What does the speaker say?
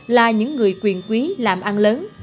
là những người quyền quý làm ăn lớn